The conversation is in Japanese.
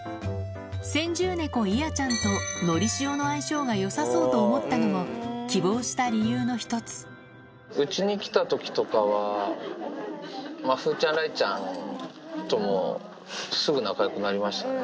先住猫、いあちゃんとのりしおの相性がよさそうと思ったのも希望した理由うちに来たときとかは、風ちゃん、雷ちゃんともすぐ仲よくなりましたね。